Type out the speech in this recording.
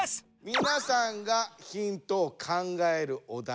みなさんがヒントを考えるお題